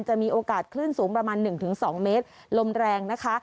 จะมีโอกาสคลื่นสูงประมาณ๑๒เมตรลมแรงนะคะ